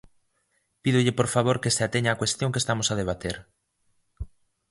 Pídolle por favor que se ateña á cuestión que estamos a debater.